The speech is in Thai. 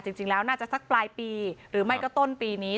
จริงแล้วน่าจะสักปลายปีหรือไม่ก็ต้นปีนี้